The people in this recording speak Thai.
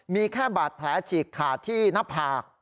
มีแค่บาดแผลฉีกขาดที่หน้าผาก